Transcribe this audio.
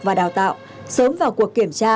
và đào tạo sớm vào cuộc kiểm tra